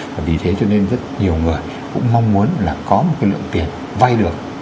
và vì thế cho nên rất nhiều người cũng mong muốn là có một cái lượng tiền vay được